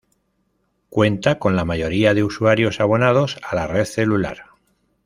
Cuenta con la mayoría de usuarios abonados a la red celular.